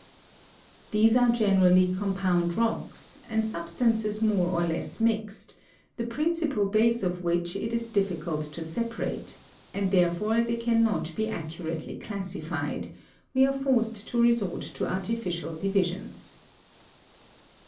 These are generally compound rocks, and substances more or less mixed, the principal base of which it is difficult to separate, and therefore they cannot be accurately classified : we are forced to resort to artificial divisions.